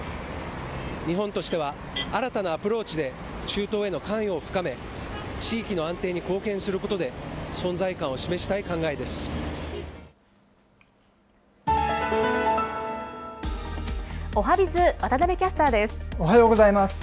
日本としては新たなアプローチで中東への関与を深め、地域の安定に貢献することで、存在感を示しおはＢｉｚ、おはようございます。